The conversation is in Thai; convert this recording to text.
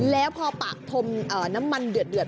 แล้วพอปากทมน้ำมันเดือด